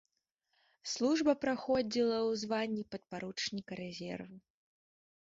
Служба праходзіла ў званні падпаручніка рэзерву.